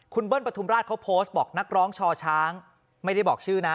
คุณเบิ้ลปฐุมราชเขาโพสต์บอกนักร้องชอช้างไม่ได้บอกชื่อนะ